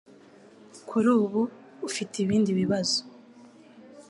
Kuri ubu, ufite ibindi bibazo.